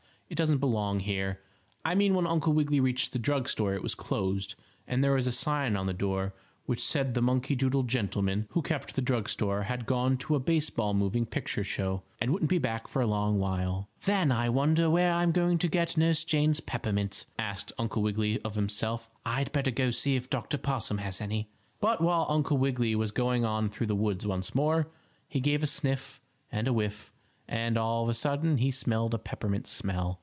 It doesn't belong here. I mean when Uncle Wiggily reached the drug store it was closed, and there was a sign in the door which said the monkey doodle gentleman who kept the drug store had gone to a baseball moving picture show, and wouldn't be back for a long while. "Then I wonder where I am going to get Nurse Jane's peppermint?" asked Uncle Wiggily of himself. "I'd better go see if Dr. Possum has any." But while Uncle Wiggily was going on through the woods once more, he gave a sniff and a whiff, and, all of a sudden, he smelled a peppermint smell.